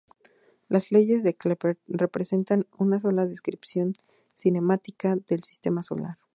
Las leyes de Kepler representan una descripción cinemática del sistema solar.